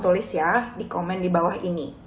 tulis ya di komen di bawah ini